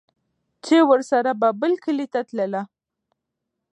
چې ورسره به بل کلي ته تلله